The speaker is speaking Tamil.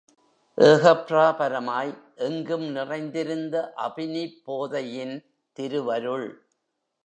ஏகப்ராபரமாய் எங்கும் நிறைந்திருந்த அபினிப் போதையின் திருவருள்.